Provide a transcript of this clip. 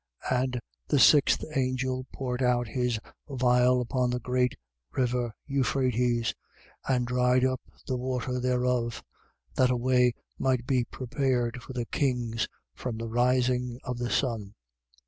16:12. And the sixth angel poured out his vial upon that great river Euphrates and dried up the water thereof, that a way might be prepared for the kings from the rising of the sun.